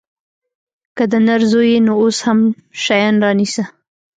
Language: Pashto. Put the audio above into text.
که د نر زوى يې نو اوس هم شيان رانيسه.